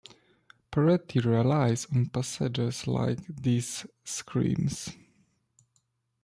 Peretti relies on passages like these--Screams!